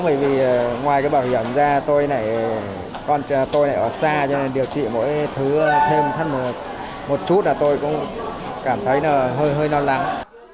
bởi vì ngoài bảo hiểm ra tôi này ở xa cho nên điều trị mỗi thứ thêm thân một chút tôi cũng cảm thấy hơi non lắng